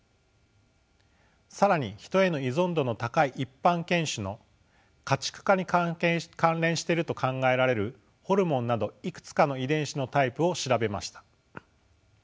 更にヒトへの依存度の高い一般犬種の家畜化に関連していると考えられるホルモンなどいくつかの遺伝子のタイプを調べました。